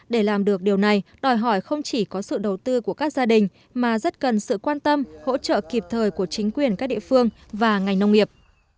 để làm được điều này đòi hỏi không chỉ có sự đầu tư của các gia đình mà rất cần sự quan tâm hỗ trợ kịp thời của chính quyền các địa phương và ngành nông nghiệp